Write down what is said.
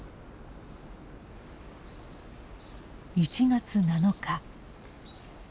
１月７日。